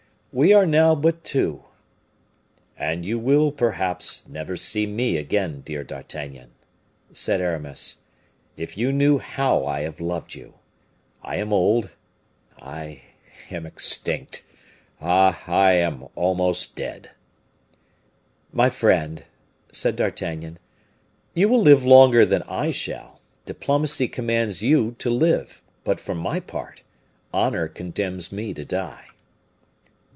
"We are now but two." "And you will, perhaps, never see me again, dear D'Artagnan," said Aramis; "if you knew how I have loved you! I am old, I am extinct ah, I am almost dead." "My friend," said D'Artagnan, "you will live longer than I shall: diplomacy commands you to live; but, for my part, honor condemns me to die."